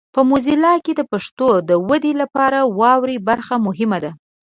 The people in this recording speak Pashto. په موزیلا کې د پښتو د ودې لپاره واورئ برخه مهمه ده.